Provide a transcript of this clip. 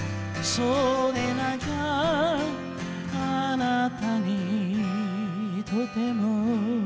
「そうでなきゃあなたにとても」